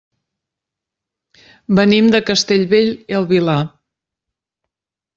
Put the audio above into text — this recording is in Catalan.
Venim de Castellbell i el Vilar.